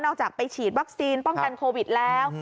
ออกไปฉีดวัคซีนป้องกันโควิดแล้ว